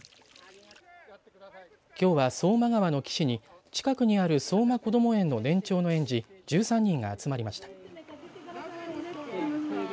きょうは相馬川の岸に近くにある相馬こども園の年長の園児１３人が集まりました。